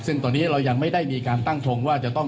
ซึ่งตอนนี้เรายังไม่ได้มีการตั้งทงว่าจะต้อง